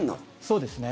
そうですね。